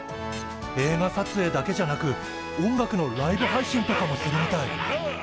映画さつえいだけじゃなく音楽のライブ配信とかもするみたい。